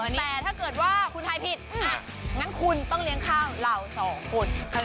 แต่ถ้าเกิดว่าคุณทายผิดงั้นคุณต้องเลี้ยงข้าวเราสองคน